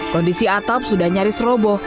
kondisi atap sudah nyaris roboh